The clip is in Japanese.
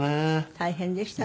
大変でしたね。